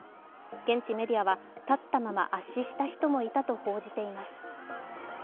現地メディアは、立ったまま圧死した人もいたと報じています。